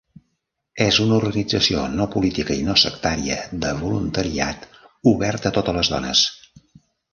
És una organització no política i no sectària de voluntariat oberta a totes les dones.